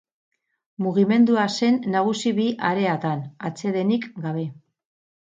Mugimendua zen nagusi bi areatan, atsedenik gabe.